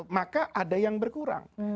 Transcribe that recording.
maka ada yang berkurang